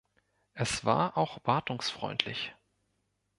Es war auch wartungsfreundlich.